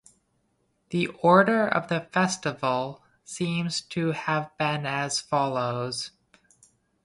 The order of the festival seems to have been as follows.